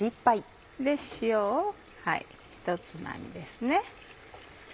塩をひとつまみですね。